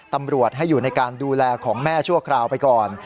ตำรวจให้อยู่ในการดูแลของแม่ชั่วคราวไปก่อน